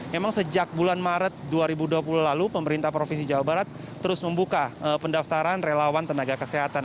memang sejak bulan maret dua ribu dua puluh lalu pemerintah provinsi jawa barat terus membuka pendaftaran relawan tenaga kesehatan